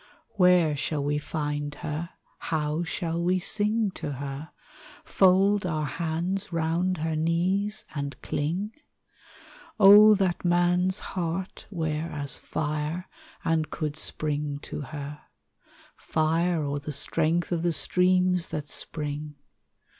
Where shall we find her, how shall we sing to her, Fold our hands round her knees, and cling? that man's heart were as fire and could spring to her, Fire, or the strength of the streams that spring